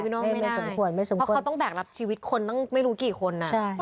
เพราะเขาต้องแบกรับชีวิตคนตั้งไม่รู้กี่คน